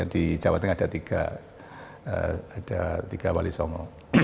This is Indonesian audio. di jawa tengah ada tiga wali songo